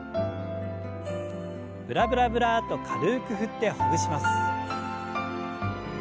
ブラブラブラッと軽く振ってほぐします。